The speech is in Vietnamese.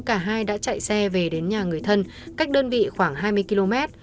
cả hai đã chạy xe về đến nhà người thân cách đơn vị khoảng hai mươi km